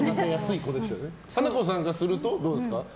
華子さんからするとどうですか？